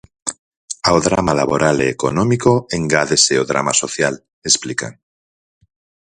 "Ao drama laboral e económico engádese o drama social", explican.